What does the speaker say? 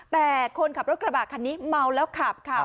แต่คนขับรถกระบะคันนี้เมาแล้วขับค่ะ